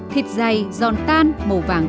thịt dày giòn tan màu vàng